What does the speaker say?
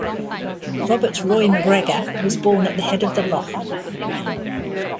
Robert Roy MacGregor was born at the head of the loch.